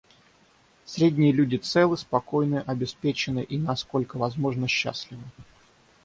Средние люди целы, спокойны, обеспечены и, насколько возможно, счастливы.